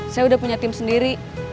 saya udah punya tim sendiri